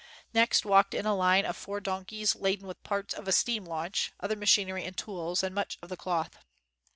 Next walked a line of four donkeys laden with parts of a steam launch, other machinery and tools, and much of the cloth.